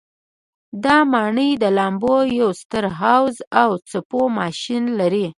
دا ماڼۍ د لامبو یو ستر حوض او څپو ماشین لري.